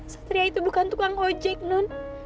satria itu bukan tukang ojek non